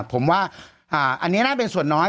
ผมว่าอันนี้น่าเป็นส่วนน้อย